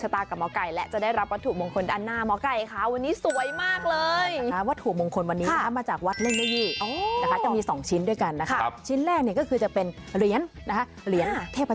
ตรวจสอบโดงชตากับมกัยและ